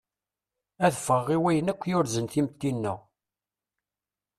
Ad ffɣeḍ i wayen akk yurzen timetti-nneɣ.